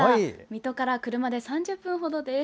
水戸から車で３０分程です。